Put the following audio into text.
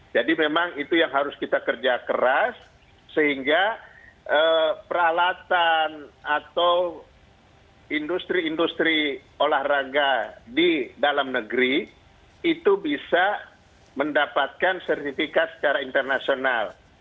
jadi memang itu yang harus kita kerja keras sehingga ee peralatan atau industri industri olahraga di dalam negeri itu bisa mendapatkan sertifikat secara international